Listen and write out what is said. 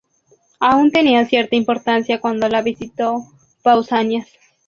Aún tenía cierta importancia cuando la visitó Pausanias.